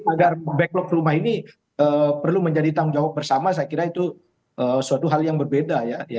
agar backlog rumah ini perlu menjadi tanggung jawab bersama saya kira itu suatu hal yang berbeda ya